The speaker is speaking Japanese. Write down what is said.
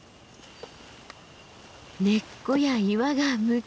根っこや岩がむき出しに。